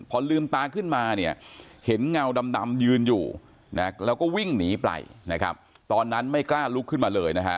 พอลืมตาขึ้นมาเห็นเงาดำยืนอยู่แล้วก็วิ่งหนีไปตอนนั้นไม่กล้าลุกขึ้นมาเลย